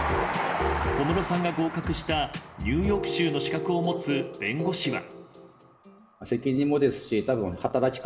小室さんが合格したニューヨーク州の資格を持つ弁護士は。